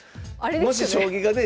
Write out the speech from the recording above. もし将棋がね